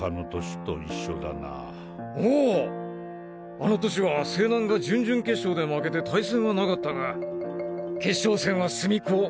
あの年は勢南が準々決勝で負けて対戦はなかったが決勝戦は須見工